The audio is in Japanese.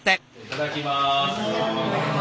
いただきます。